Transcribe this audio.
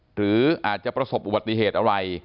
หรืออาจจะประสบอุบัติเหตุอะไร